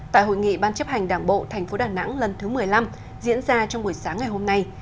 tại hội nghị ban chấp hành đảng bộ thành phố đà nẵng lần thứ một mươi năm diễn ra trong buổi sáng ngày hôm nay